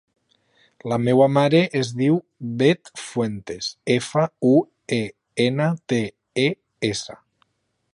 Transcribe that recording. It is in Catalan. La meva mare es diu Beth Fuentes: efa, u, e, ena, te, e, essa.